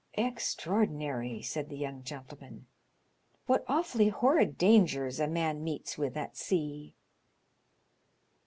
"Extraordinary !'* said the young gentleman. "What awfully horrid dangers a man meets with at sea